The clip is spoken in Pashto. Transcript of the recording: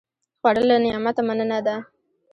خوړل له نعمته مننه ده